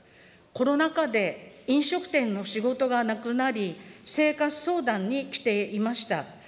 コロナ禍で飲食店の仕事がなくなり、生活相談に来ていました。